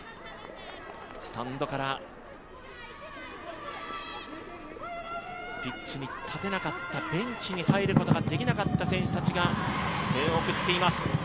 スタンドから、ピッチに立てなかった、ベンチに入ることができなかった選手たちが声援を送っています。